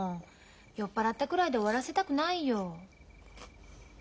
酔っ払ったくらいで終わらせたくないよ。